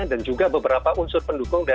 dan juga beberapa unsur pendukungnya